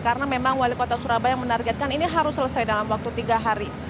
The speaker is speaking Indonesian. karena memang wali kota surabaya menargetkan ini harus selesai dalam waktu tiga hari